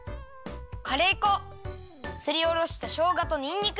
カレー粉すりおろしたしょうがとにんにく。